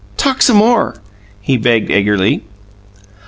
"Talk some more," he begged eagerly.